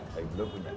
saya belum punya